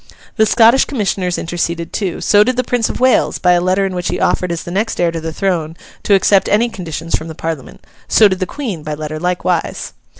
The Scottish Commissioners interceded too; so did the Prince of Wales, by a letter in which he offered as the next heir to the throne, to accept any conditions from the Parliament; so did the Queen, by letter likewise.